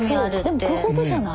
でもこういうことじゃない？